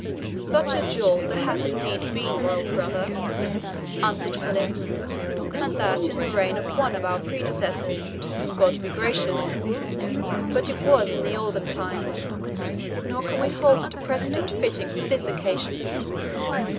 "Such a duel there hath indeed been, royal brother," answered Philip, "and that in the reign of one of our predecessors, to whom God be gracious. But it was in the olden time, nor can we hold it a precedent fitting for this occasion.